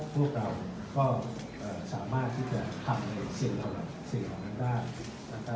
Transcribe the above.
พวกเราก็สามารถที่จะทำในเศรษฐ์ของเราได้